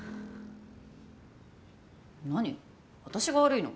何私が悪いの？